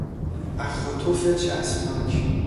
اخ و تف چسبناک